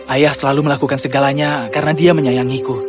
ayah selalu melakukan segalanya karena dia menyayangiku